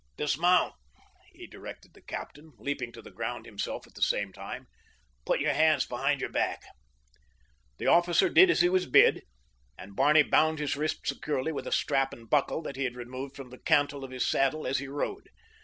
"Dismount," he directed the captain, leaping to the ground himself at the same time. "Put your hands behind your back." The officer did as he was bid, and Barney bound his wrists securely with a strap and buckle that he had removed from the cantle of his saddle as he rode.